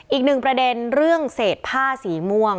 อีกหนึ่งประเด็นเรื่องเศษผ้าสีม่วง